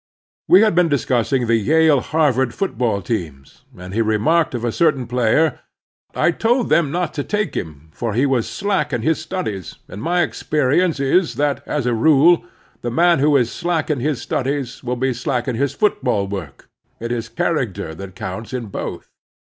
We had been discussing the Yale Harvard football teams, and he remarked of a certain player: "I told them not to take him« for he was slack in his studies, and my experience is that, as a rule, the man who is slack in his studies will be slack in his football work; it is character that counts in both."